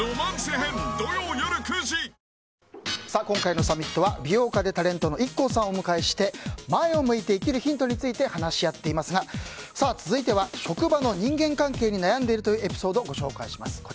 今回のサミットは美容家でタレントのＩＫＫＯさんをお迎えして前を向いて生きるヒントについて話し合っていますが続いては、職場の人間関係に悩んでいるというエピソード、ご紹介します。